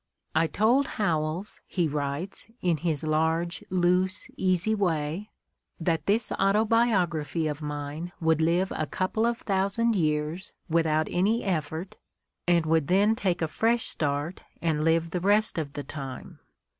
"I told Howells," he writes, in his large, loose, easy way, "that this autobiography of mine would live a couple of thousand years, without any effort, and would then take a fresh start and live the rest of the time.'"